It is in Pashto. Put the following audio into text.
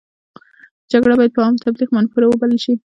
جګړه باید په عامه تبلیغ منفوره وبلل شي.